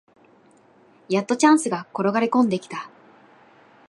やっとチャンスが転がりこんできた